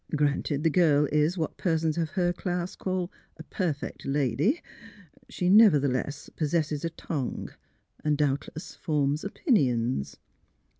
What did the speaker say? " Granted the girl is what persons of her class call ' a perfect lady ^; she nevertheless possesses a tongue, and doubtless forms opinions."